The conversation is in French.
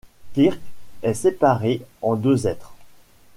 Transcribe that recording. Kirk est séparé en deux êtres.